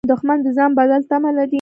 دښمن د ځان بدل تمه لري